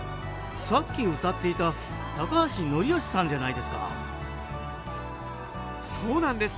さっきうたっていた橋律圭さんじゃないですかそうなんです！